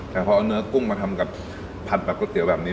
แต่พอเอาเนื้อกุ้งมาทำกับผัดแบบก๋วยเตี๋ยวแบบนี้